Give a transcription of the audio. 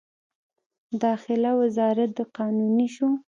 داخله وزارت د قانوني شو.